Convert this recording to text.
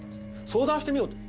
相談してみようと。